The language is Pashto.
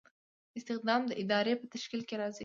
استخدام د ادارې په تشکیل کې راځي.